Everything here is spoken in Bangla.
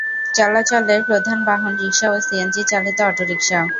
চলাচলের প্রধান বাহন রিক্সা ও সিএনজি চালিত অটোরিক্সা।